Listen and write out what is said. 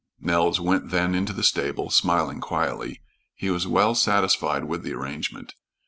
Nels went then into the stable, smiling quietly. He was well satisfied with the arrangement.